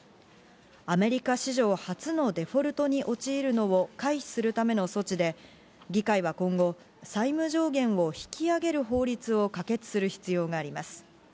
アメリカ史上初のデフォルトに陥るのを回避するための措置で、議会は今後、債務上限を引き上げる法律を可決する必要があります。